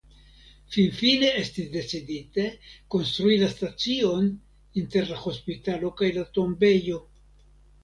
Finfine estis decidite konstrui la stacion inter la hospitalo kaj la tombejo.